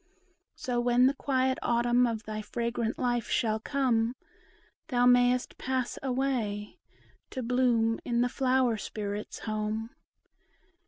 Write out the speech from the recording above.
So when the quiet Autumn of thy fragrant life shall come, Thou mayst pass away, to bloom in the Flower Spirits' home."